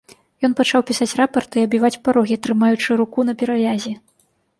Ён пачаў пісаць рапарты і абіваць парогі, трымаючы руку на перавязі.